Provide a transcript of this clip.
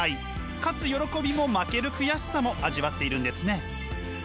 勝つ喜びも負ける悔しさも味わっているんですね。